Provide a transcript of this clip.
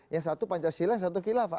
yang satu pancasila yang satu kilafah